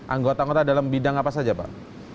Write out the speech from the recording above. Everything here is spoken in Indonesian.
anggota anggota dalam bidang apa saja pak